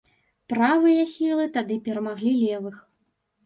Правыя сілы тады перамаглі левых.